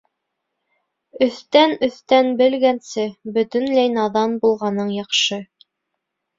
Өҫтән-өҫтән белгәнсе, бөтөнләй наҙан булғаның яҡшы.